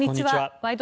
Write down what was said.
「ワイド！